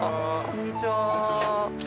こんにちは。